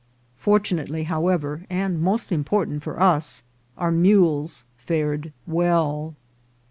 Fortunately, however, and most im portant for us, our mules fared well.